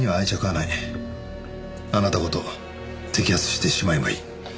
あなたごと摘発してしまえばいい。